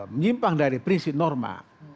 menyimpang dari prinsip norma